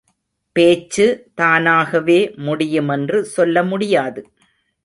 பேச்சு, தானாகவே முடியுமென்று சொல்ல முடியாது.